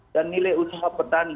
dan nilai usaha petani